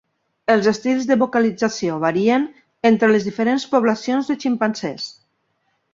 Els estils de vocalització varien entre les diferents poblacions de ximpanzés.